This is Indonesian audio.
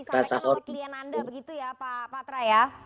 kenapa yang bisa lagi luar klien anda begitu ya pak tra